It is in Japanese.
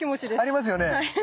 ありますよね。